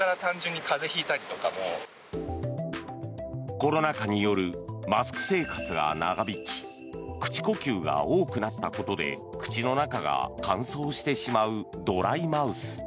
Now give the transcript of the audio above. コロナ禍によるマスク生活が長引き口呼吸が多くなったことで口の中が乾燥してしまうドライマウス。